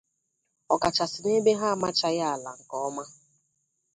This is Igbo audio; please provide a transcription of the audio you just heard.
ọkachisị n'ebe ha amachaghị àlà nke ọma